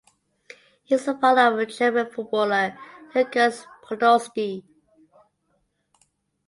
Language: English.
He is the father of German footballer Lukas Podolski.